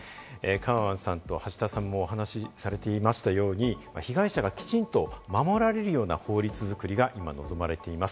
カウアンさんと橋田さんもお話されていましたように、被害者がきちんと守られるような法律作りが今、望まれています。